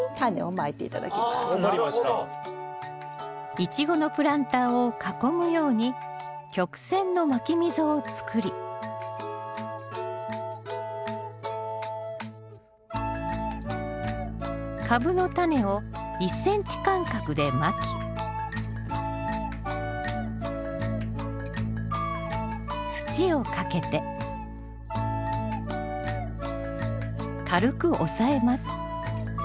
イチゴのプランターを囲むように曲線のまき溝を作りカブのタネを１ｃｍ間隔でまき土をかけて軽く押さえます。